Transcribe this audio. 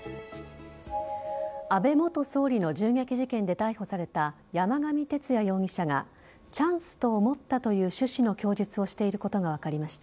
安倍元総理の銃撃事件で逮捕された山上徹也容疑者がチャンスと思ったという趣旨の供述をしていることが分かりました。